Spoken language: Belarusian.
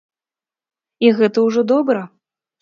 І гэта ўжо добра.